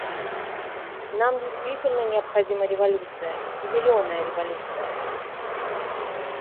Нам действительно необходима революция — «зеленая революция».